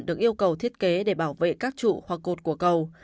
được yêu cầu thiết kế để bảo vệ các trụ hoặc cột của cầu